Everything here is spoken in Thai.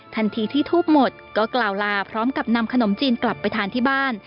ทันทีที่ทูบหมดก็กล่าวลาพร้อมกับนำขนมจีนกลับไปทานที่บ้าน